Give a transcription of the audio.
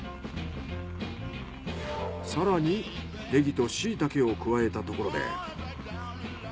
更にネギとシイタケを加えたところで。